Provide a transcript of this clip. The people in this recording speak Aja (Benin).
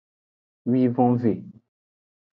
Wivonve.